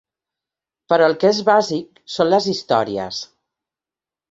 Però el que és bàsic són les històries.